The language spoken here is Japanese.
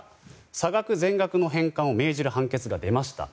差額全額の返還を命じる判決が出ました。